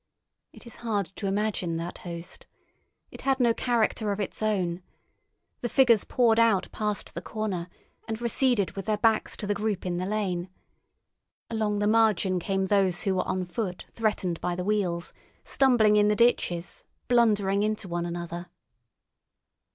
It is hard to imagine that host. It had no character of its own. The figures poured out past the corner, and receded with their backs to the group in the lane. Along the margin came those who were on foot threatened by the wheels, stumbling in the ditches, blundering into one another.